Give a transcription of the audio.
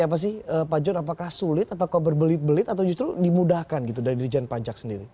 memudahkan dari dirijen pajak sendiri